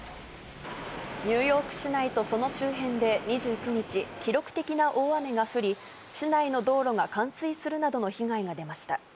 ニューヨーク市内とその周辺で２９日、記録的な大雨が降り、市内の道路が冠水するなどの被害が出ました。